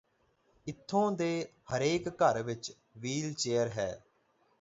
ਇਥੋਂ ਦੇ ਹਰੇਕ ਘਰ ਚ ਵੀਲ੍ਹ ਚੇਅਰ ਹੈ